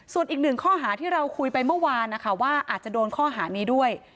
ส่วนอีกหนึ่งข้อหาที่เราคุยไปเมื่อวานนะคะว่าอาจจะโดนข้อหานี้ด้วย